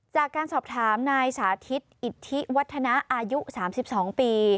จากการสอบถามนายสาธิตอิทธิวัฒนะอายุ๓๒ปี